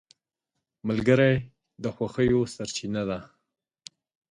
ملګری د خوښیو سرچینه ده